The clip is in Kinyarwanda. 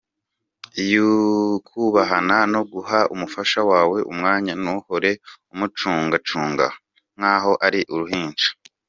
"Kubahana no guha umufasha wawe umwanya ntuhore umucungacunga nkaho ari uruhinja ”.